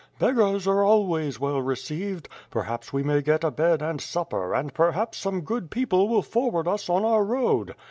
"Beggars are always well received; perhaps we may get a bed and supper, and perhaps some good people will forward us on our road.